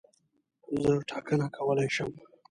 زه ټاکنه کولای شم.